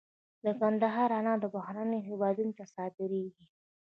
د کندهار انار بهرنیو هیوادونو ته صادریږي